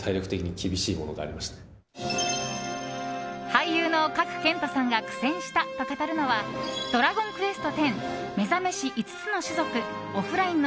俳優の賀来賢人さんが苦戦したと語るのは「ドラゴンクエスト１０目覚めし五つの種族オフライン」